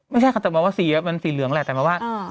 ไม่ใช่จะบอกว่าสีเนี่ยมันสีเหลืองแหละแต่ว่า